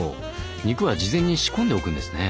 肉は事前に仕込んでおくんですね。